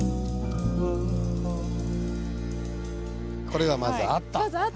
これがまずあった。